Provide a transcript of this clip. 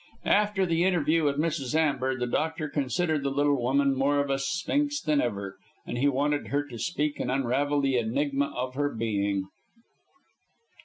After the interview with Mrs. Amber, the doctor considered the little woman more of a sphinx than ever, and he wanted her to speak and unravel the enigma of her being.